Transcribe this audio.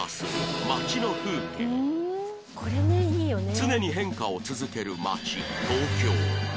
常に変化を続ける街東京